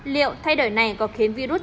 liệu thay đổi này có khiến virus